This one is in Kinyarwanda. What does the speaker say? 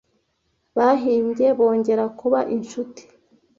Bahimbye bongera kuba inshuti.